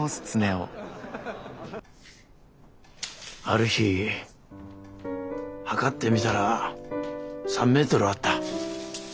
ある日測ってみたら３メートルあった。